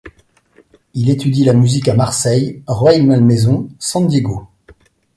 Il étudie la musique à Marseille, Rueil-Malmaison, San Diego.